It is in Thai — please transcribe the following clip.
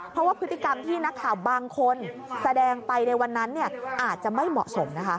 เพราะว่าพฤติกรรมที่นักข่าวบางคนแสดงไปในวันนั้นอาจจะไม่เหมาะสมนะคะ